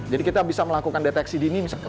jadi kita bisa melakukan deteksi dini misalnya